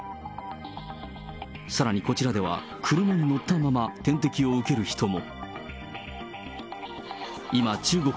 さらにこちらでは、車に乗ったまま点滴を受ける人も。